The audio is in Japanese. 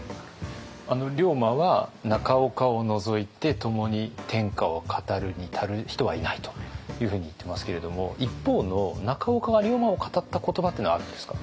龍馬は「中岡を除いてともに天下を語るに至る人はいない」というふうに言ってますけれども一方の中岡が龍馬を語った言葉というのはあるんですか？